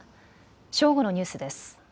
正午のニュースです。